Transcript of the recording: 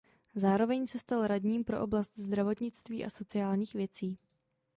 Zároveň se stal radním pro oblast zdravotnictví a sociálních věcí.